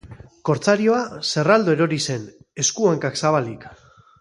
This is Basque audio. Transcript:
Kortsarioa zerraldo erori zen, esku-hankak zabalik.